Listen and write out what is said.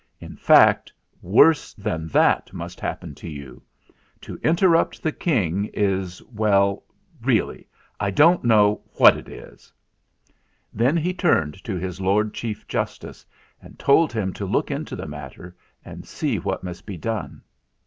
"In fact, worse than that must happen to you. To interrupt the King is well really I don't know what it is." 294 THE FLINT HEART Then he turned to his Lord Chief Justice and told him to look into the matter and see what must be done.